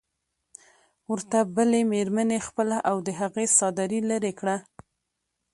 ورته بلې مېرمنې خپله او د هغې څادري لرې کړه.